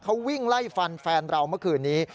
เขาวิ่งไล่ฟันแฟนเราเมื่อคืนนี้